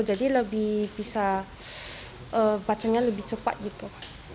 jadi lebih bisa bacanya lebih cepat gitu